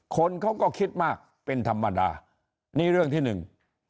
คนเขาก็คิดมากเป็นธรรมดานี่เรื่องที่หนึ่ง